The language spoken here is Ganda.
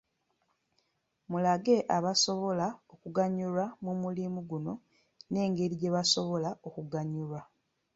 Mulage abasobola okuganyulwa mu mulimu guno n’engeri gye basobola okuganyulwa.